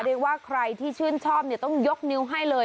เรียกว่าใครที่ชื่นชอบต้องยกนิ้วให้เลย